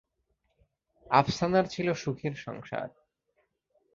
আফসানার ছিল সুখের সংসার।